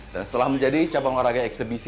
dan setelah menjadi capang olahraga eksempis